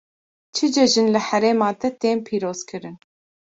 Çi cejin li herêma te tên pîrozkirin?